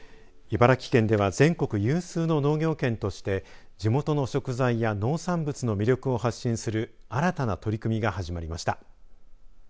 茨城県では全国有数の農業県として地元の食材や農産物の魅力を発信する新たな取り組みが始まりました。